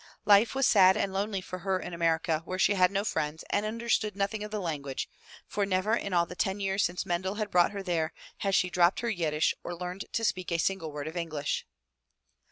Life was sad and lonely for her in America where she had no friends and understood nothing of the language, for never in all the ten years since Mendel had brought her there, had she dropped her Yiddish or learned to speak a single word of English.